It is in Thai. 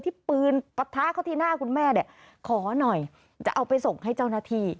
ที่ปืนปะทะเข้าที่หน้าคุณแม่เนี่ยขอหน่อยจะเอาไปส่งให้เจ้าหน้าที่